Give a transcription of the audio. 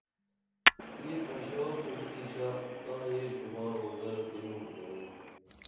یہ پراشا کُو اُدِشہ تاں یہ شوباں روضہ بِنُم گنی